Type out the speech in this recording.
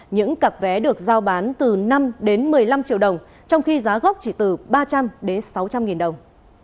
những cặp vé được giao bán từ năm đến một mươi năm triệu đồng trong khi giá gốc chỉ từ ba trăm linh đến sáu trăm linh nghìn đồng